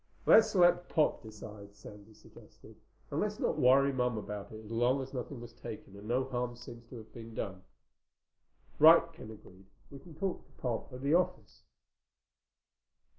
"Let's let Pop decide," Sandy suggested. "And let's not worry Mom about it as long as nothing was taken and no harm seems to have been done." "Right," Ken agreed. "We can talk to Pop at the office."